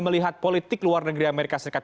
melihat politik luar negeri amerika serikat